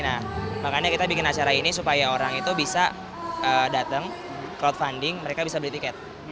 nah makanya kita bikin acara ini supaya orang itu bisa datang crowdfunding mereka bisa beli tiket